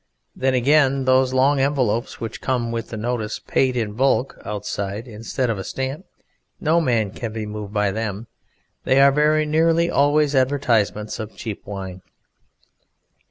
Then again those long envelopes which come with the notice, "Paid in bulk," outside instead of a stamp no man can be moved by them. They are very nearly always advertisements of cheap wine.